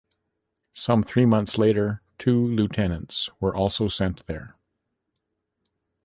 Some three months later, two lieutenants were also sent there.